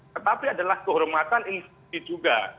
tetapi adalah kehormatan institusi juga